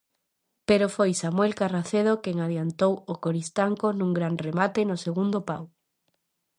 Pero foi Samuel Carracedo quen adiantou ó Coristanco nun gran remate no segundo pau.